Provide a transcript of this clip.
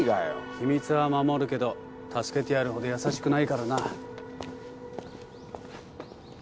秘密は守るけど助けてやるほど優しくないからな。